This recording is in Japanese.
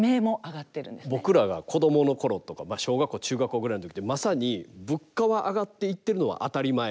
僕らが子供の頃とか小学校中学校ぐらいの時ってまさに物価は上がっていってるのは当たり前。